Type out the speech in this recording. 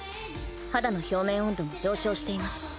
肌の表面温度も上昇しています。